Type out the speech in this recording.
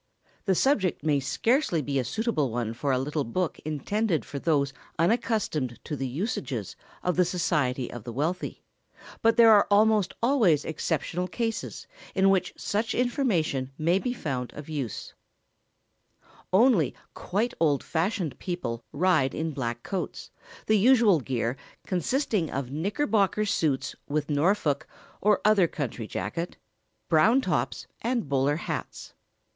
The subject may scarcely be a suitable one for a little book intended for those unaccustomed to the usages of the society of the wealthy. But there are almost always exceptional cases in which such information may be found of use. [Sidenote: Disappearance of the black coat.] Only quite old fashioned people ride in black coats, the usual gear consisting of knickerbocker suits with Norfolk, or other country jacket, brown tops and bowler hats.